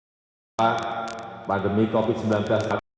setelah pandemi covid sembilan belas